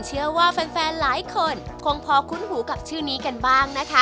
เชื่อว่าแฟนหลายคนคงพอคุ้นหูกับชื่อนี้กันบ้างนะคะ